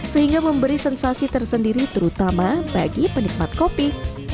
sehingga memberi sensasi tersendiri terutama bagi penikmat kopi